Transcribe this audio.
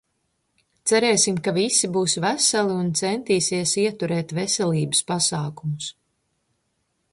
Cerēsim ka visi būs veseli, un centīsies ieturēt veselības pasākumus.